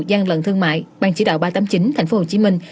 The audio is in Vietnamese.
gian lận thương mại ban chỉ đạo ba trăm tám mươi chín tp hcm